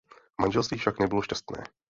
Manželství však nebylo šťastné.